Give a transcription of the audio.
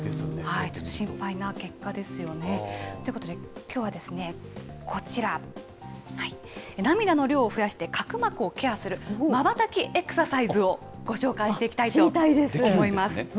心配な結果ですよね。ということで、きょうはこちら、涙の量を増やして角膜をケアするまばたきエクササイズをご紹介し知りたいです。